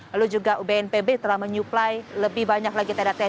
lalu juga ubnpb telah menyuplai lebih banyak lagi tenda tenda